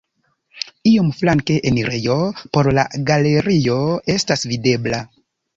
Iom flanke enirejo por la galerio estas videbla.